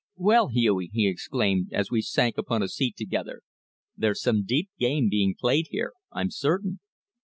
"Well, Hughie!" he exclaimed, as we sank upon a seat together. "There's some deep game being played here, I'm certain!"